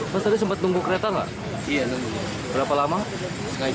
mas tadi sempat nunggu kereta nggak